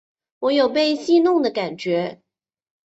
我有被戏弄的感觉